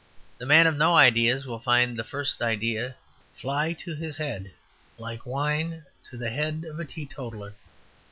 The man of no ideas will find the first idea fly to his head like wine to the head of a teetotaller.